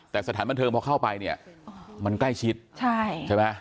แต่สถานบันเทิงพอเข้าไปเนี่ยมันใกล้ชิดใช่ไหม